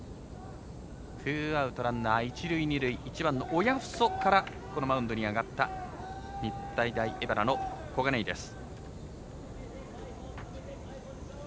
ツーアウトランナー、一塁、二塁１番の親富祖からこのマウンドに上がった日体大荏原の小金井です。